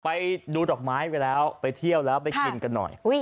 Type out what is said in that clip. ไปดูดอกไม้ไปแล้วไปเที่ยวแล้วไปกินกันหน่อย